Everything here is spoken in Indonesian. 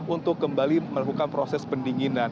untuk kembali melakukan proses pendinginan